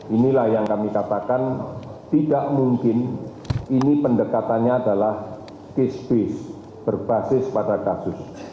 inilah yang kami katakan tidak mungkin ini pendekatannya adalah case based berbasis pada kasus